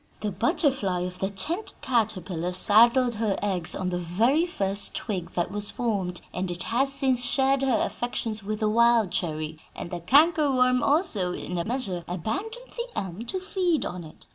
The butterfly of the tent caterpillar saddled her eggs on the very first twig that was formed, and it has since shared her affections with the wild cherry; and the canker worm also, in a measure, abandoned the elm to feed on it.